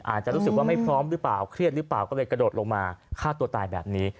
อาจจะรู้สึกว่าไม่พร้อมหรือเปล่าเครียดหรือเปล่าก็เลยกระโดดลงมาฆ่าตัวตายแบบนี้